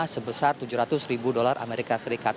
sebesar tujuh ratus ribu dolar amerika serikat